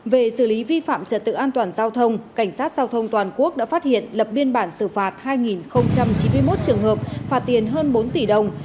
về xử lý vi phạm trật tự an toàn giao thông cảnh sát giao thông toàn quốc đã phát hiện lập biên bản xử phạt hai chín mươi một trường hợp phạt tiền hơn bốn tỷ đồng